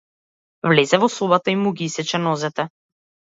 Влезе во собата и му ги исече нозете.